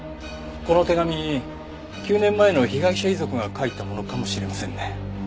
この手紙９年前の被害者遺族が書いたものかもしれませんね。